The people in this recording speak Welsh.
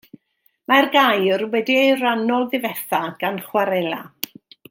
Mae'r gaer wedi ei rannol ddifetha gan chwarela.